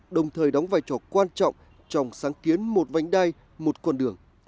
đồng thời đóng vai trò quan trọng trong sáng kiến một vành đai một con đường